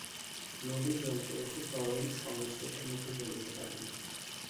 নদীর জলপ্রবাহ তরল স্বর্ণস্রোতের মতো জ্বলিতে লাগিল।